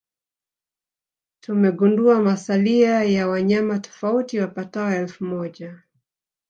Tumegundua masalia ya wanyama tofauti wapatao elfu moja